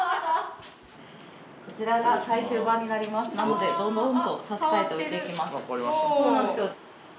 こちらが最終版になりますのでどどんと差し替えて置いていきます。